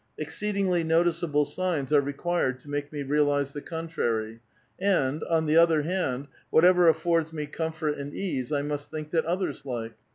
Exceedingly noticeable ' signs are required to make me realize the contrary ; and, on the other hand, whatever affords me comfort and ease I must think that others like.